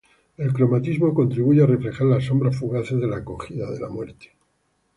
El cromatismo contribuye a reflejar las "sombras fugaces" de la acogida de la muerte.